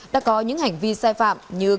đã có những hành vi sai phạm như cấp